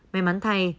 may mắn thay